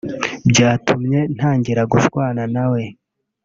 Byatumye ntangira gushwana na we